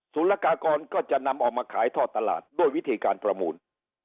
ละกากรก็จะนำออกมาขายท่อตลาดด้วยวิธีการประมูล